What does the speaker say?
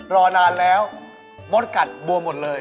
รอนานแล้วมดกัดบัวหมดเลย